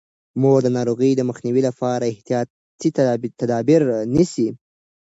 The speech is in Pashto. مور د ناروغۍ مخنیوي لپاره احتیاطي تدابیر نیسي.